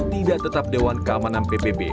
tidak tetap dewan keamanan pbb